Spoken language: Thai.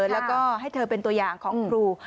แล้วก็ให้เธอเป็นตัวอย่างของครู